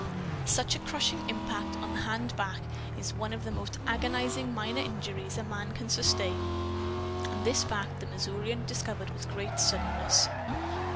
Such a crushing impact, on the hand back, is one of the most agonizing minor injuries a man can sustain. And this fact the Missourian discovered with great suddenness.